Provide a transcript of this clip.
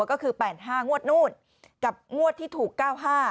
ก็คือแปดห้างวดนู้นกับงวดที่ถูกเก้าห้า